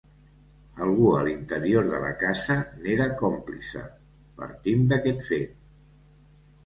Algú a l'interior de la casa n'era còmplice; partim d'aquest fet.